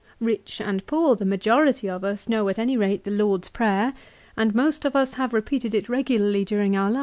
Eich and poor, the majority of us, know at any rate the Lord's prayer, and most of us have repeated it regularly during our lives.